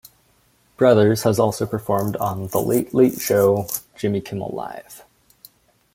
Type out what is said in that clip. Brothers has also performed on "The Late Late Show", "Jimmy Kimmel Live!